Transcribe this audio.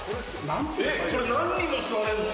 これ、何人も座れるの？